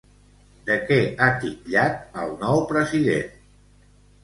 De què ha titllat al nou president?